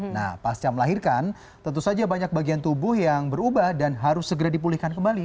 nah pasca melahirkan tentu saja banyak bagian tubuh yang berubah dan harus segera dipulihkan kembali